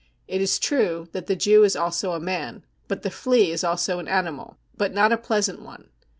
It is true that the Jew is also a man ... but the flea is also an animal — but not a pleasant one